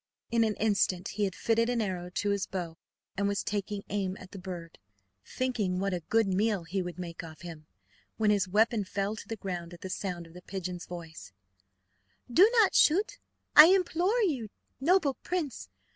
In an instant he had fitted an arrow to his bow, and was taking aim at the bird, thinking what a good meal he would make off him, when his weapon fell to the ground at the sound of the pigeon's voice: "Do not shoot, I implore you, noble prince!